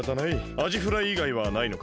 アジフライいがいはないのか？